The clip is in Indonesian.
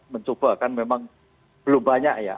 mencoba kan memang belum banyak ya